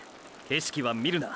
景色は見るな。